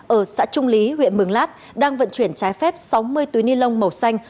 ở xã trung lý huyện mường lát đang vận chuyển trái phép sáu mươi túi ni lông màu xanh